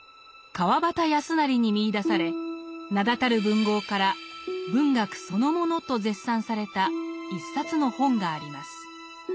川端康成に見いだされ名だたる文豪から「文学そのもの」と絶賛された一冊の本があります。